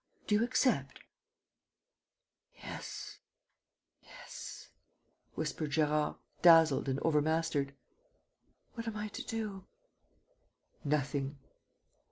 ... Do you accept?" "Yes ... yes ..." whispered Gérard, dazzled and overmastered. "What am I to do?" "Nothing."